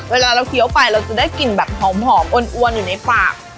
เวลาเราเคี้ยวไปเราจะได้กลิ่นแบบหอมอวนอยู่ในปาก